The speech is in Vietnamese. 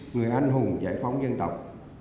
người anh hùng giải phóng dân tộc